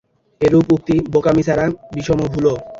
এইরূপ উক্তি বোকামী ছাড়া বিষম ভুলও।